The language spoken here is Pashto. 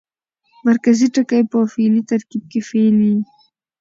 مرکزي ټکی په فعلي ترکیب کښي فعل يي.